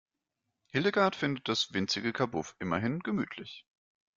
Hildegard findet das winzige Kabuff immerhin gemütlich.